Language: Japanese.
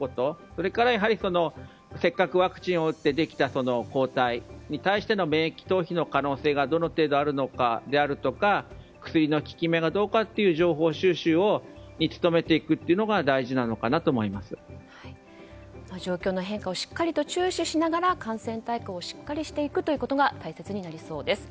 それからやはり、せっかくワクチンを打ってできた抗体に対しての免疫逃避の可能性がどの程度あるのかであるとか薬の効き目がどうかという情報収集に努めていくことが状況の変化をしっかりと注視しながら感染対策をしっかりしていくのが大切になりそうです。